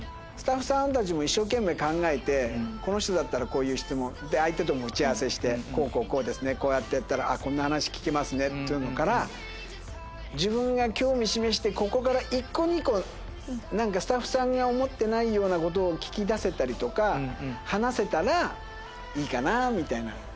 スタッフさんたちも一生懸命考えてこの人だったらこういう質問相手とも打ち合わせして「こうこうこうですねこうやってやったらこんな話聞けますね」っていうのから自分が興味示してここから１個２個スタッフさんが思ってないようなことを聞き出せたりとか話せたらいいかなみたいな。